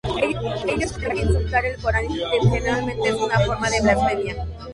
Ellos creen que insultar el Corán intencionalmente es una forma de blasfemia.